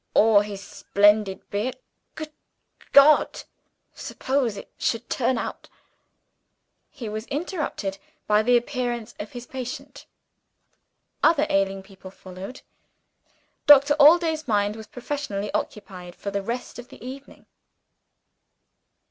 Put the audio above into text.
or his splendid beard? Good God! suppose it should turn out ?" He was interrupted by the appearance of his patient. Other ailing people followed. Doctor Allday's mind was professionally occupied for the rest of the evening.